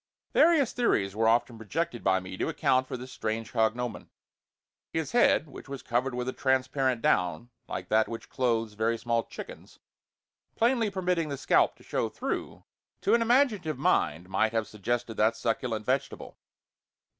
Various theories were often projected by me to account for this strange cognomen. His head, which was covered with a transparent down, like that which clothes very small chickens, plainly permitting the scalp to show through, to an imaginative mind might have suggested that succulent vegetable.